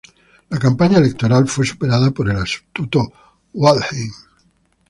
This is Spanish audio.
La campaña electoral fue superada por el astuto Waldheim.